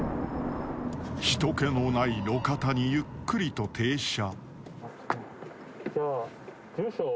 ［人けのない路肩にゆっくりと停車］